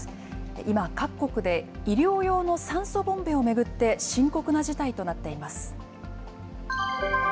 今、各国で、医療用の酸素ボンベを巡って深刻な事態となっています。